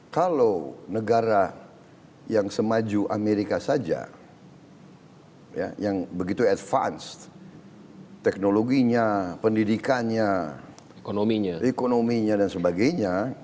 kalau negara yang semaju amerika saja yang begitu advance teknologinya pendidikannya ekonominya dan sebagainya